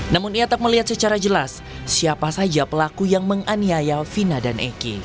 namun ia tak melihat secara jelas siapa saja pelaku yang menganiaya vina dan eki